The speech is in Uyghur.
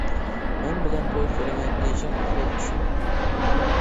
-مەن بىلەن توي قىلىمەن دېيىشىڭ ئۇخلاپ چۈشۈڭ!